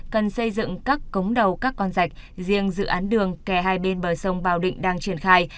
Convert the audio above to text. cần xây dựng các cống đầu các con rạch riêng dự án đường kè hai bên bờ sông bào định đang triển khai